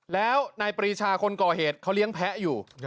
แล้วนายปรีชาคนก่อเหตุเขาเลี้ยงแพ้อยู่